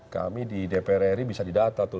kami di dprri bisa didata tuh